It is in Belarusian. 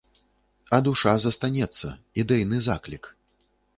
А душа застанецца, ідэйны заклік.